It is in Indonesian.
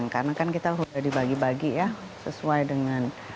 karena kan kita sudah dibagi bagi ya sesuai dengan